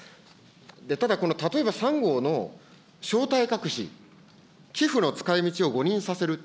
ただこの例えば３号の正体隠し、寄付の使いみちを誤認させる。